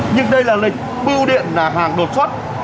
nhưng đây là lệnh bưu điện hàng đột xuất